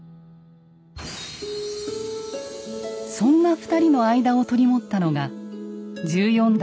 そんな２人の間を取り持ったのが１４代